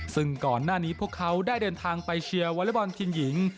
ซึ่งก่อนหน้านี้พวกเขาได้เดินทางไปเชียร์วอเล็กบอลทีมหญิง